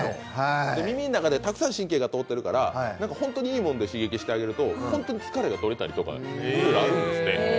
耳の中ってたくさん神経が通っているからいいもので刺激すると本当に疲れがとれたりとかってあるんですって。